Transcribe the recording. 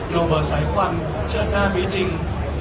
โลเบอร์สายความเจือดหน้าไม่จริง